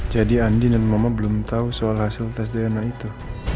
jadi andi dan mama belum tahu soal hasil tes dna itu